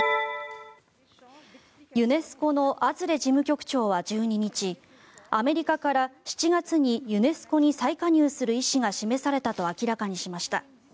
ユネスコのアズレ事務局長は１２日アメリカから、７月にユネスコに再加入する意思が示されたと明らかにしました。